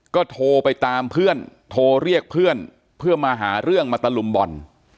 ก็โทรไปตามเพื่อนโทรเรียกเพื่อนเพื่อมาหาเรื่องมาตะลุมบ่อน